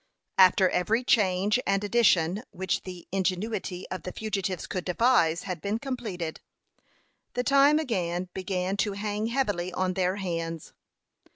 After every change and addition which the ingenuity of the fugitives could devise had been completed, the time again began to hang heavily on their hands.